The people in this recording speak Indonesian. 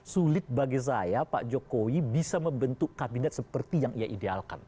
sulit bagi saya pak jokowi bisa membentuk kabinet seperti yang ia idealkan